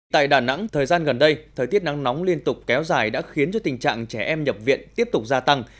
tại đà nẵng thời gian gần đây thời tiết nắng nóng liên tục kéo dài đã khiến cho tình trạng trẻ em nhập viện tiếp tục gia tăng